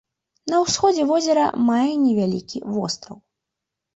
На ўсходзе возера мае невялікі востраў.